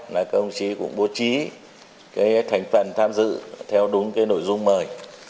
các đồng chí cũng bố trí thành phần tham dự theo đúng nội dung mời